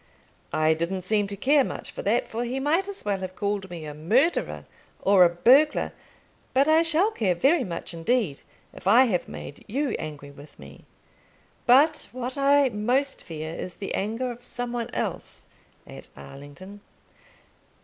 I didn't seem to care much for that, for he might as well have called me a murderer or a burglar; but I shall care very much indeed if I have made you angry with me. But what I most fear is the anger of some one else, at Allington.